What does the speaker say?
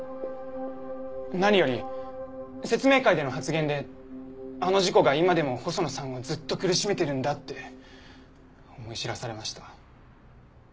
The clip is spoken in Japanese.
何より説明会での発言であの事故が今でも細野さんをずっと苦しめてるんだって思い知らされました。